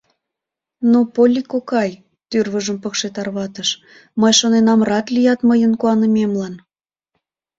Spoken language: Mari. — Но, Полли кокай, — тӱрвыжым пыкше тарватыш, — мый шоненам, рат лият, мыйын куанымемлан...